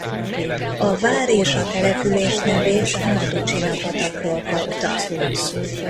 A vár és a település nevét a Matucsina-patakról kapta.